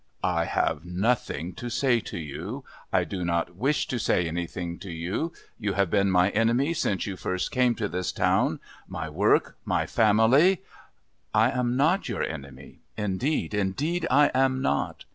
"I have nothing to say to you. I do not wish to say anything to you. You have been my enemy since you first came to this town. My work my family " "I am not your enemy. Indeed, indeed I am not.